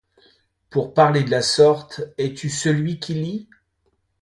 Pour parler de la sorte, es-tu celui qui lie